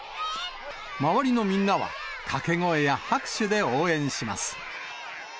周りのみんなは、掛け声や拍手で応援します。